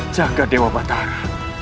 jaga dewa batara